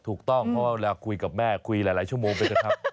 ถูกต้องเพราะว่าเวลาคุยกับแม่คุยหลายชั่วโมงไปเถอะครับ